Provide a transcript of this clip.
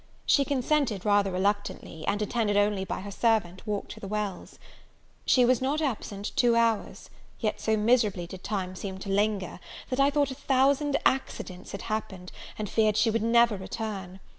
She consented rather reluctantly, and, attended only by her servant, walked to the Wells. She was not absent two hours; yet so miserably did time seem to linger, that I thought a thousand accidents had happened, and feared she would never return.